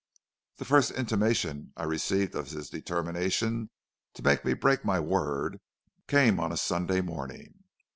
"The first intimation I received of his determination to make me break my word came on a Sunday morning.